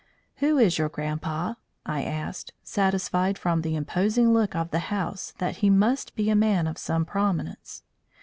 "Who is your grandpa?" I asked, satisfied from the imposing look of the house that he must be a man of some prominence.